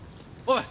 はい！